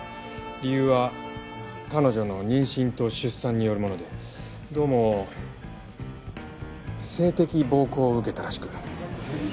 理由は彼女の妊娠と出産によるものでどうも性的暴行を受けたらしく。